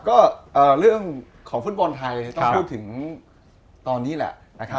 ก็เรื่องของฟุตบอลไทยต้องพูดถึงตอนนี้แหละนะครับ